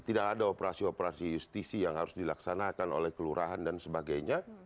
tidak ada operasi operasi justisi yang harus dilaksanakan oleh kelurahan dan sebagainya